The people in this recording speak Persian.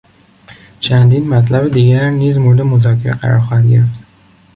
چندین مطلب دیگر نیز مورد مذاکره قرار خواهد گرفت.